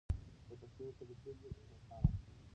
دا تشریح تر بلې روښانه ده.